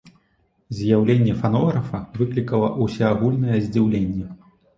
З'яўленне фанографа выклікала ўсеагульнае здзіўленне.